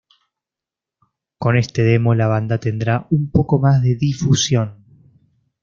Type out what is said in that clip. Con este demo la banda tendrá un poco más de difusión.